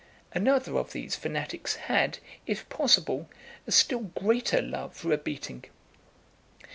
Another of these fanatics had, if possible, a still greater love for a beating.